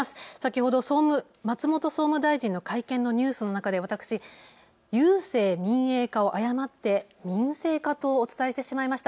先ほど松本総務大臣の会見のニュースの中で郵政民営化を誤って民政化とお伝えてしまいました。